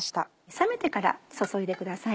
冷めてから注いでください。